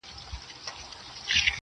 فولکلور هم په ځوانۍ کې